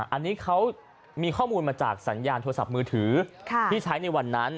อันนี้เขามีข้อมูลมาจากสัญญาณโทรศัพท์มือถือที่ใช้ในวันนั้น